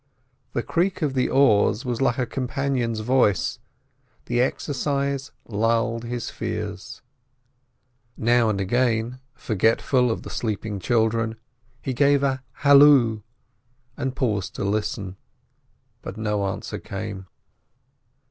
The creak of the oars was like a companion's voice, the exercise lulled his fears. Now and again, forgetful of the sleeping children, he gave a halloo, and paused to listen. But no answer came.